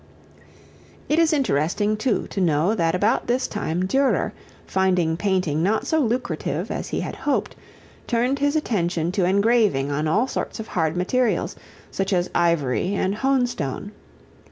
It is interesting, too, to know that about this time Durer, finding painting not so lucrative as he had hoped, turned his attention to engraving on all sorts of hard materials, such as ivory and hone stone.